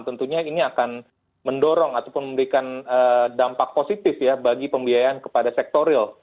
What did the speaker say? tentunya ini akan mendorong ataupun memberikan dampak positif ya bagi pembiayaan kepada sektor real